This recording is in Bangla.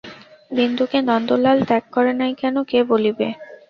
বিন্দুকে নন্দলাল ত্যাগ করে নাই কেন, কে বলিবে!